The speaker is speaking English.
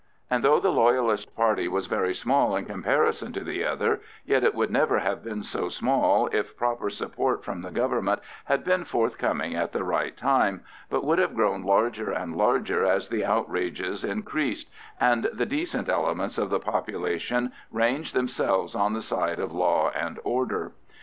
And though the loyalist party was very small in comparison to the other, yet it would never have been so small if proper support from the Government had been forthcoming at the right time, but would have grown larger and larger as the outrages increased, and the decent elements of the population ranged themselves on the side of law and order.